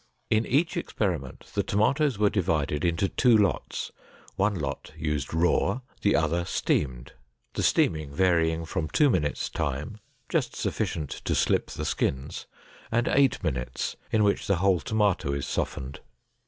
In each experiment, the tomatoes were divided into two lots, one lot used raw, the other steamed, the steaming varying from two minutes' time, just sufficient to slip the skins, and eight minutes, in which the whole tomato is softened.